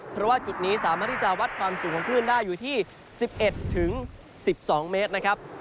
เพราะว่าจุดนี้สามารถที่จะวัดความสูงของคลื่นได้อยู่ที่๑๑๑๒เมตรนะครับ